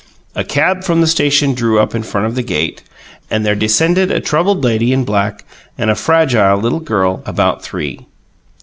A cab from the station drew up in front of the gate, and there descended a troubled lady in black and a fragile little girl about three.